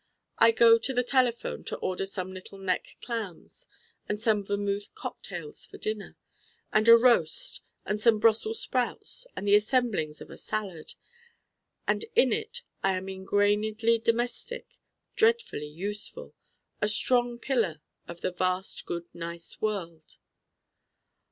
I go to the telephone to order some Little Neck clams and some vermouth cocktails for dinner, and a roast and some Brussels sprouts and the assemblings of a salad: and in it I am ingrainedly domestic, dreadfully useful, a strong pillar of the vast good nice world.